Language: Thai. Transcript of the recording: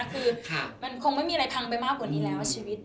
คือมันคงไม่มีอะไรพังไปมากกว่านี้แล้วชีวิต